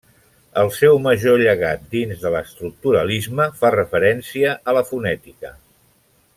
El seu major llegat dins de l'estructuralisme fa referència a la fonètica.